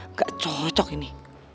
nggak cocok ini